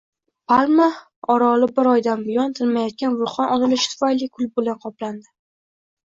Palma orolibiroydan buyon tinmayotgan vulqon otilishi tufayli kul bilan qoplandi